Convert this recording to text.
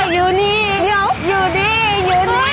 อยู่นี่อยู่นี่อยู่นี่